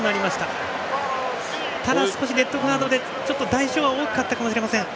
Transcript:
ただ少しレッドカードで代償は大きかったかもしれません。